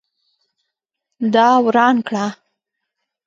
دا وران کړه